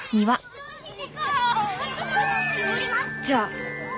じゃあ。